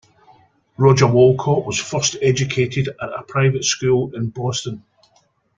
Roger Wolcott was first educated at a private school in Boston.